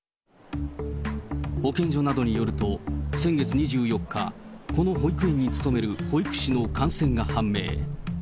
保健所などによると、先月２４日、この保育園に勤める保育士の感染が判明。